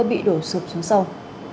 bị đổ sụp xuống sông